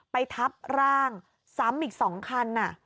ไปทับร่างซ้ำอีก๒คันอ่ะ